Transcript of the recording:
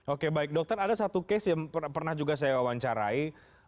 oke baik dokter ada satu case yang pernah juga saya wawancarai